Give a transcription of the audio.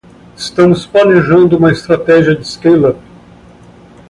Estamos planejando uma estratégia de scale-up.